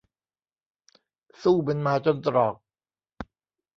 สู้เหมือนหมาจนตรอก